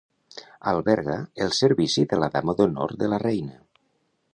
Alberga el servici de la dama d'honor de la reina.